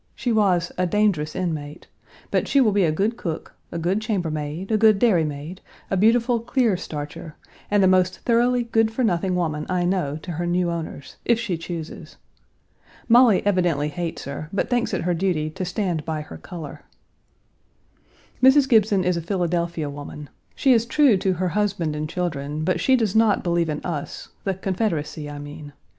She was "a dangerous inmate," but she will be a good cook, a good chambermaid, a good dairymaid, a beautiful clear starcher, and the most thoroughly good for nothing woman I know to her new owners, if she chooses. Molly evidently hates her, but thinks it her duty "to stand by her color." Mrs. Gibson is a Philadelphia woman. She is true to her husband and children, but she does not believe in us the Confederacy, I mean.